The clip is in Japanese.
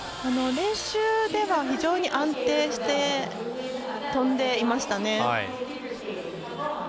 練習では非常に安定して跳んでいましたね。